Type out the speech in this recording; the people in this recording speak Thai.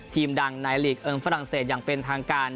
ทีมดังในลีกเอิงฟรังเศสยังเป็นทางการ